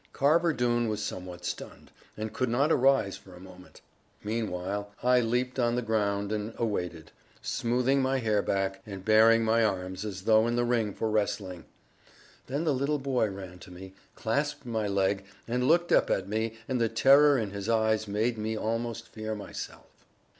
Carver Doone was somewhat stunned, and could not arise for a moment. Meanwhile I leaped on the ground and awaited, smoothing my hair back, and baring my arms, as though in the ring for wrestling. Then the little boy ran to me, clasped my leg, and looked up at me, and the terror in his eyes made me almost fear myself.